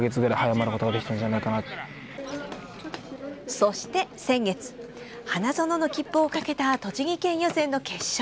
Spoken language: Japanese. そして先月花園の切符をかけた栃木県予選の決勝。